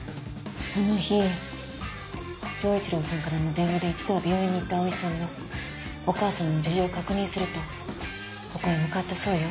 あの日丈一郎さんからの電話で一度は病院に行った葵さんもお母さんの無事を確認するとここへ向かったそうよ。